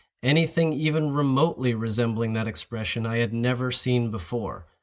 Any thing even remotely resembling that expression I had never seen before.